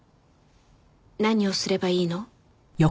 何をすればいいの？